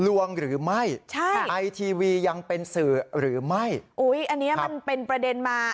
ลวงหรือไม่ใช่ไอทีวียังเป็นสื่อหรือไม่อุ้ยอันเนี้ยมันเป็นประเด็นมา